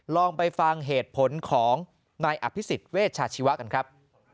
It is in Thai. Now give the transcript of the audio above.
ลองไปฟังเหตุผลของนายอภิษฎเวชาชีวะกันครับ